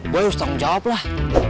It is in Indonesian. gue harus tanggung jawab lah